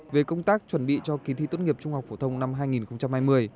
về công tác chuẩn bị cho kỳ thi tốt nghiệp trung học phổ thông năm hai nghìn hai mươi